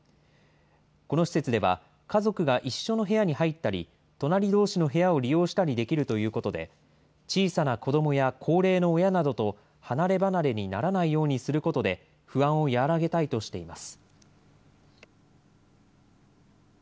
この施設では、家族が一緒の部屋に入ったり、隣どうしの部屋を利用したりできるということで、小さな子どもや高齢の親などと離れ離れにならないようにすることで、不安を和らげたいとしています。